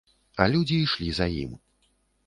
А людзі ішлі за ім.